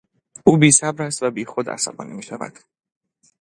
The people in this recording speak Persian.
او بیصبر است و بیخود عصبانی میشود.